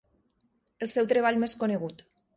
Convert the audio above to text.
El seu treball més conegut.